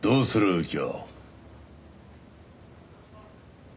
右京。